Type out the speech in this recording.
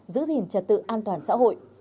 giữ gìn trật tự an toàn xã hội